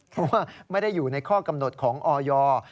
เพราะว่าไม่ได้อยู่ในข้อกำหนดของออย